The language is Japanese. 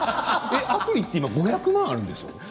アプリで今５００万あるんだよ